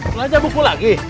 belanja buku lagi